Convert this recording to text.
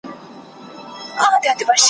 چي یې تباه کړل خپل ټبرونه !.